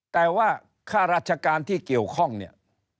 แต่ว่าค่าราชการที่เกี่ยวข้องเนี่ย